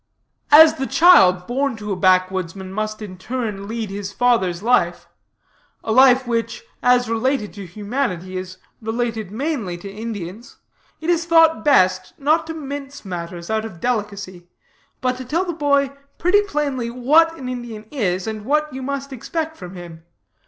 "'As the child born to a backwoodsman must in turn lead his father's life a life which, as related to humanity, is related mainly to Indians it is thought best not to mince matters, out of delicacy; but to tell the boy pretty plainly what an Indian is, and what he must expect from him.